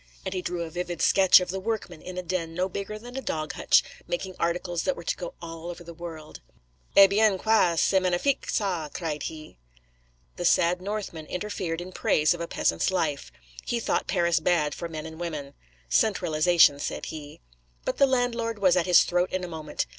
And he drew a vivid sketch of the workman in a den no bigger than a dog hutch, making articles that were to go all over the world. 'Eh bien, quoi, c'est magnifique, ca!' cried he. The sad Northman interfered in praise of a peasant's life; he thought Paris bad for men and women; 'centralisation,' said he— But the landlord was at his throat in a moment.